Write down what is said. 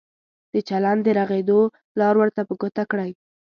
د چلند د رغېدو لار ورته په ګوته کړئ.